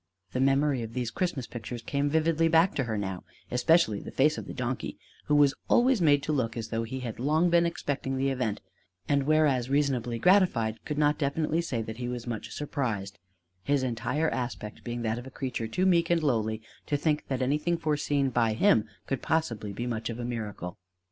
The memory of these Christmas pictures came vividly back to her now especially the face of the donkey who was always made to look as though he had long been expecting the event; and whereas reasonably gratified, could not definitely say that he was much surprised: his entire aspect being that of a creature too meek and lowly to think that anything foreseen by him could possibly be much of a miracle.